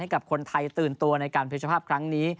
กับคนไทยตื่นตัวในการเพชภาพครั้งนี้